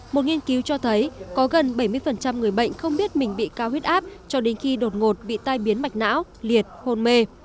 một nghiên cứu cho thấy có gần bảy mươi người bệnh không biết mình bị cao huyết áp cho đến khi đột ngột bị tai biến mạch não liệt hôn mê